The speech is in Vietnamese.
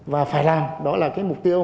và phải làm đó là cái mục tiêu